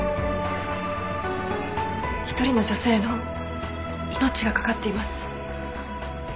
一人の女性の命がかかっています。